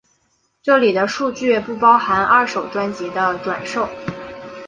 这里的数据不包含二手专辑的转售。